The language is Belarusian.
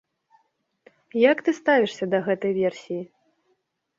Як ты ставішся да гэтай версіі?